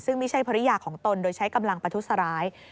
ซึ่งไม่ใช่ภรรยาของตนโดยใช้กำลังประทุษร้าย